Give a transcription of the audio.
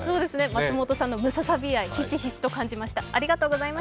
松本さんのムササビ愛ひしひしと感じました。